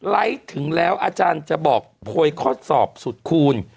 ถึงแล้วอาจารย์จะบอกโพยข้อสอบสุดคูณ